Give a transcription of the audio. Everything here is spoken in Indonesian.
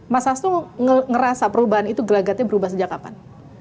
mas hastu ngerasa perubahan itu gelagatnya berubah sejak kapan